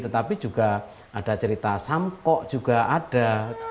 tetapi juga ada cerita sampok juga ada